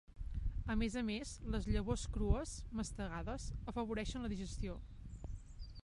A més a més, les llavors crues, mastegades, afavoreixen la digestió.